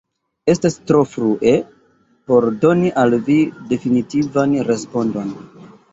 Estas tro frue por doni al vi definitivan respondon.